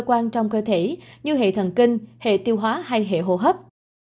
cơ quan trong cơ thể như hệ thần kinh hệ tiêu hóa hay hệ hồ hấp